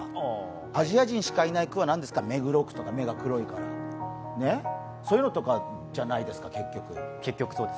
アジア人しかいない区はどこですか、目黒区、目が黒いから、そういうのとかじゃないですか、結局。